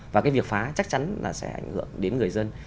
và cái việc phá chắc chắn là sẽ ảnh hưởng đến người dân